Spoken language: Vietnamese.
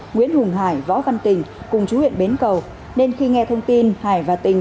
nguyễn hùng hải võ văn tình cùng chú huyện bến cầu nên khi nghe thông tin hải và tình